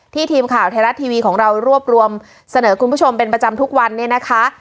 ทีมข่าวไทยรัฐทีวีของเรารวบรวมเสนอคุณผู้ชมเป็นประจำทุกวันนี้นะคะ